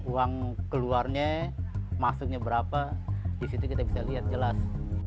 uang keluarnya masuknya berapa disitu kita bisa lihat jelas